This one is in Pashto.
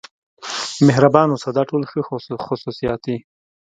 مهربان اوسه دا ټول ښه خصوصیات دي.